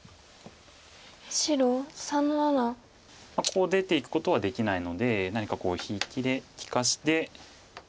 ここを出ていくことはできないので何か引きで利かせて。